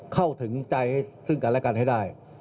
เข้าถึงใจซึ่งกันและกันให้ได้